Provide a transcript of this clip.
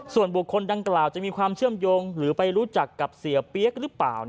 ส่วนบุคคลดังกล่าวจะมีความเชื่อมโยงหรือไปรู้จักกับเสียเปี๊ยกหรือเปล่า